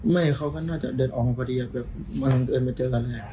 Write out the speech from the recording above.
ไม่เขาก็น่าจะเดินออกมาพอดีแบบมาเจอกันเลย